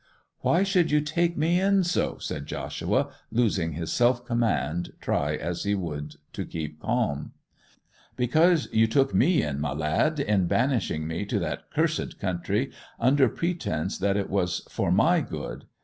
'Why should you take me in so!' said Joshua, losing his self command, try as he would to keep calm. 'Because you took me in, my lad, in banishing me to that cursed country under pretence that it was for my good.